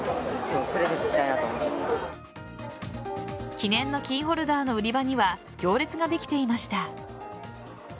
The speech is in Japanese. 記念のキーホルダーの売り場には行列ができていました。